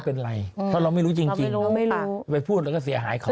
เป็นไรเพราะเราไม่รู้จริงจริงเราไม่รู้ไปพูดแล้วก็เสียหายเขา